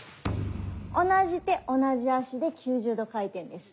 同じ手同じ足で９０度回転です。